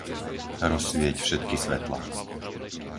Rozsvieť všetky svetlá.